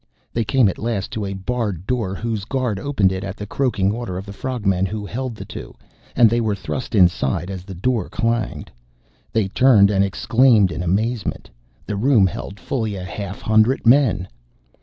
They came at last to a barred door whose guard opened it at the croaking order of the frog men who held the two, and they were thrust inside, as the door clanged. They turned, and exclaimed in amazement. The room held fully a half hundred men!